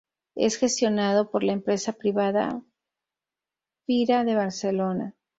Es gestionado por la empresa privada Fira de Barcelona.